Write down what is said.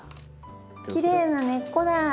きれいな根っこだ。